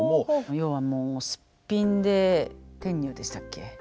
要はもうすっぴんで天女でしたっけ。